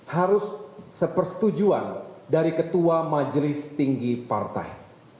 harus sepersetujuan dari ketua majelis tinggi partai